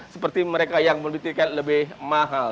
seperti mereka yang beli tiket lebih mahal